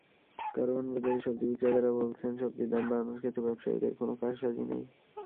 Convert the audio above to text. কারওয়ান বাজারের সবজি বিক্রেতারা বলছেন, সবজির দাম বাড়ানোর ক্ষেত্রে ব্যবসায়ীদের কোনো কারসাজি নেই।